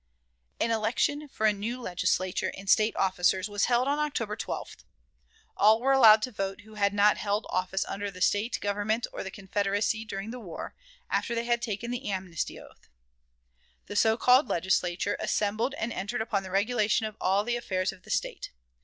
An election for a new Legislature and State officers was held on October 12th. All were allowed to vote who had not held office under the State government or the Confederacy during the war, after they had taken the amnesty oath. The so called Legislature assembled and entered upon the regulation of all the affairs of the State.